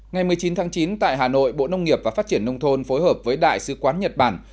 ngày một mươi chín tháng chín tại hà nội bộ nông nghiệp và phát triển nông thôn phối hợp với đại sứ quán nhật bản